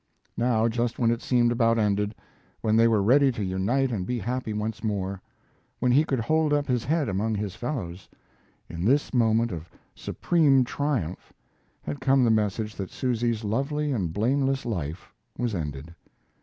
Now, just when it seemed about ended, when they were ready to unite and be happy once more, when he could hold up his head among his fellows in this moment of supreme triumph had come the message that Susy's lovely and blameless life was ended.